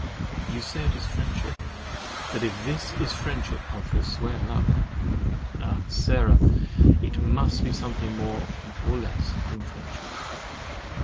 You say it is friendship—but if this is friendship, I'll forswear love. Ah! Sarah! it must be something more or less than friendship.